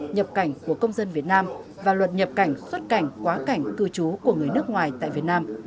nhập cảnh của công dân việt nam và luật nhập cảnh xuất cảnh quá cảnh cư trú của người nước ngoài tại việt nam